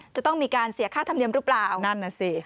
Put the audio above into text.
จะต้องมีการเสียค่าธรรมเนียมหรือเปล่านั่นน่ะสิ